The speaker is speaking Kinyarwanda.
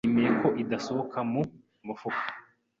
Nishimiye ko idasohoka mu mufuka.